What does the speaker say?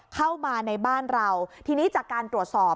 เข้ามาในบ้านเราทีนี้จากการตรวจสอบ